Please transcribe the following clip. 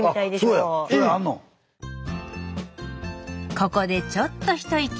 ここでちょっと一息。